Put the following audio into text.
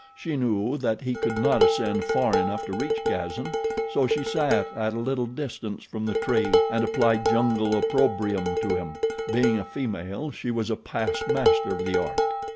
She knew that he could not ascend far enough to reach Gazan, so she sat at a little distance from the tree and applied jungle opprobrium to him. Being a female, she was a past master of the art.